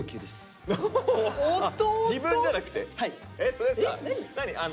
それさ何？